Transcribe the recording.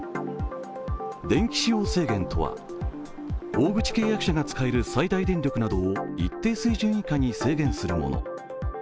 電気使用制限とは、大口契約者が使える最大電力などを一定水準以下に制限するもの。